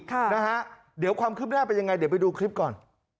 ค่ะนะฮะเดี๋ยวความคืบหน้าเป็นยังไงเดี๋ยวไปดูคลิปก่อน